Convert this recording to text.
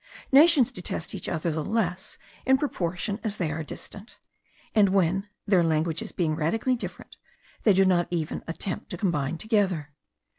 Nations detest each other the less, in proportion as they are distant; and when, their languages being radically different, they do not even attempt to combine together.